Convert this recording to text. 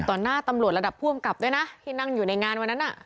หน้าตำรวจระดับผู้อำกับด้วยนะที่นั่งอยู่ในงานวันนั้นน่ะ